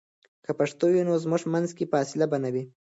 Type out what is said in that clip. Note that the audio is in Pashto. که پښتو وي، نو زموږ منځ کې فاصله به نه وي.